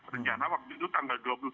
rencana waktu itu tanggal dua puluh satu